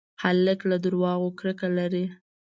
هلک له دروغو کرکه لري.